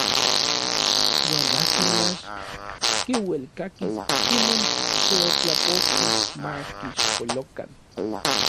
Iuan akin mach kiuelkakis inon teotlapouki ma kixpolokan.